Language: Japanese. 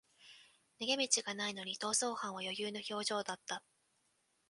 逃げ道がないのに逃走犯は余裕の表情だった